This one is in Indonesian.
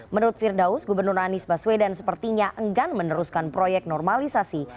menurut firdaus gubernur anies baswedan sepertinya enggan meneruskan proyek normalisasi